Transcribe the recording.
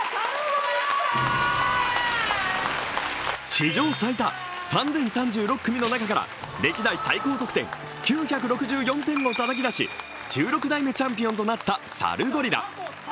史上最多３０３６組の中から歴代最高得点９６４点をたたき出し、１６代チャンピオンとなったサルゴリラ。